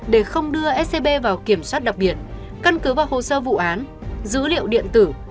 để không đưa scb vào kiểm soát đặc biệt căn cứ vào hồ sơ vụ án dữ liệu điện tử